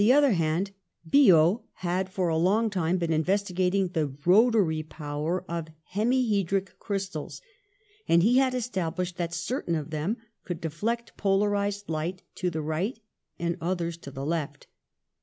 40 26 PASTEUR hand, Biot had for a long time been investigat ing the rotary power of hemihedric crystals, and he had established that certain of them could deflect polarised light to the right and others to the left.